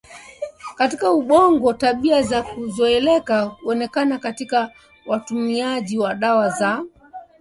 katika ubongo Tabia za kuzoeleka huonekana katika watumiaji wa dawa za